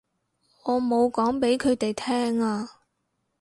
我冇講畀佢哋聽啊